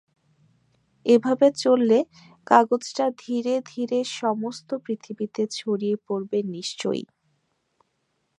এভাবে চললে কাগজটা ধীরে ধীরে সমস্ত পৃথিবীতে ছড়িয়ে পড়বে নিশ্চয়ই।